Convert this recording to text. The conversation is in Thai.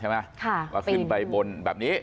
ว่าขึ้นไปบนแบบนี้